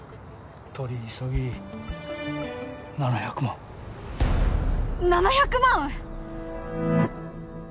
取り急ぎ７００万７００万！？